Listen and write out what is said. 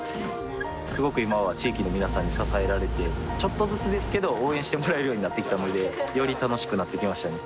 すごく今は地域の皆さんに支えられてちょっとずつですけど応援してもらえるようになってきたのでより楽しくなってきましたね